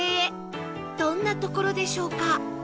どんな所でしょうか？